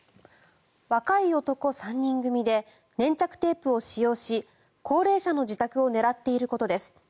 若い男３人組で粘着テープを使用し高齢者の自宅を狙っていることです。